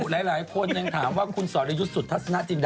หลายคนยังถามว่าคุณสอริยุทธสนาจินดาพี่ยุทธ